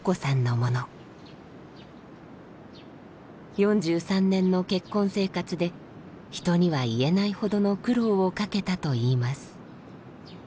４３年の結婚生活で人には言えないほどの苦労をかけたといいます。